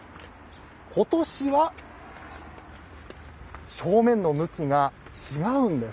今年は、正面の向きが違うんです。